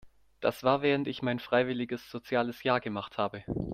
Das war während ich mein freiwilliges soziales Jahr gemacht habe.